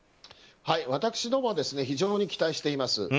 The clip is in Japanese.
私どもは非常に期待しています。